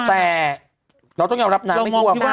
แต่เราต้องยอมรับน้ำไม่ท่วม